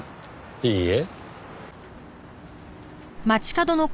いいえ。